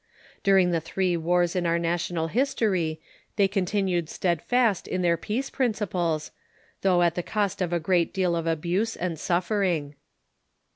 During the three wars in our national history they continued steadfast in their peace prin ciples, though at the cost of a great deal of abuse and suf fering.